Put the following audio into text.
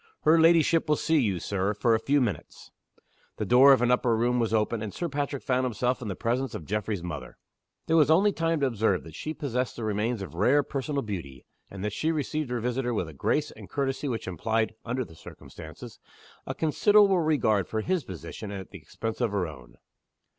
"Her ladyship will see you, Sir, for a few minutes." The door of an upper room was opened; and Sir Patrick found himself in the presence of Geoffrey's mother. There was only time to observe that she possessed the remains of rare personal beauty, and that she received her visitor with a grace and courtesy which implied (under the circumstances) a considerate regard for his position at the expense of her own.